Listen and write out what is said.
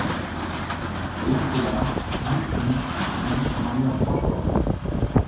Voyant cela, Lu Xun divise son armée en trois corps.